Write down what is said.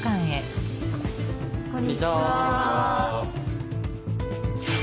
こんにちは。